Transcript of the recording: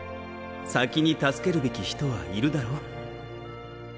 先に助けるべき人はいるだろう